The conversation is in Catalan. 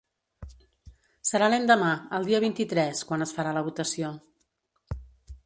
Serà l’endemà, el dia vint-i-tres, quan es farà la votació.